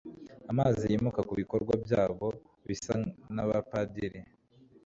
amazi yimuka kubikorwa byabo bisa nabapadiri